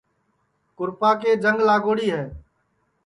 کُرپا کے جنگ لاگوڑی ہے